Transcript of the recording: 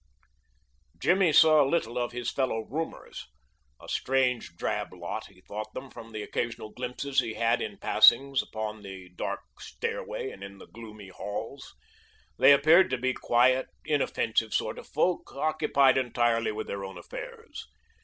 Jimmy saw little of his fellow roomers. A strange, drab lot he thought them from the occasional glimpses he had had in passings upon the dark stairway and in the gloomy halls. They appeared to be quiet, inoffensive sort of folk, occupied entirely with their own affairs.